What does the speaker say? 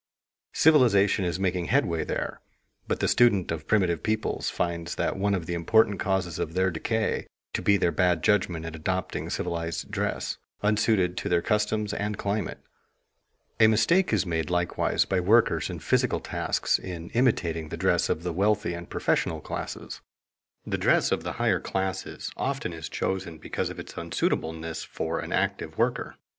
Civilization is making headway there; but the student of primitive peoples finds one of the important causes of their decay to be their bad judgment in adopting civilized dress, unsuited to their customs and climate. A mistake is made likewise by workers in physical tasks in imitating the dress of the wealthy and professional classes. The dress of the higher classes often is chosen because of its unsuitableness for an active worker.